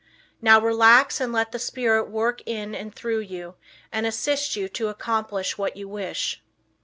Now relax and let the spirit work in and through you and assist you to accomplish what you wish.